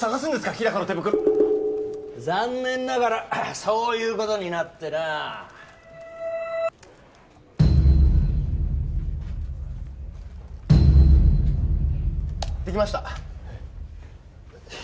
日高の手袋残念ながらそういうことになってなあできましたよ